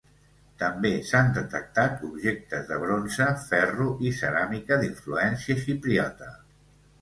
També s'han detectat objectes de bronze, ferro i ceràmica d'influència xipriota.